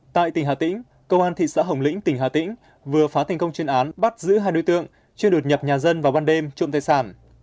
tại tỉnh hà tĩnh công an thị xã hồng lĩnh tỉnh hà tĩnh vừa phá thành công chuyên án bắt giữ hai đối tượng chưa đột nhập nhà dân vào ban đêm trộm tài sản